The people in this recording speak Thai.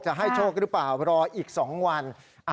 จะให้โชคหรือเปล่ารออีก๒วัน